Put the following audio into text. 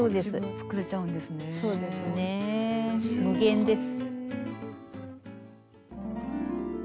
無限です。